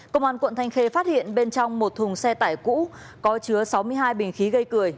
công an quận thanh khê phát hiện bên trong một thùng xe tải cũ có chứa sáu mươi hai bình khí gây cười